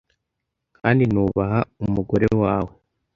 kandi nubaha umugore wawe